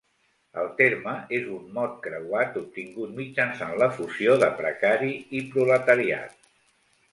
El terme és un mot creuat obtingut mitjançant la fusió de precari i proletariat.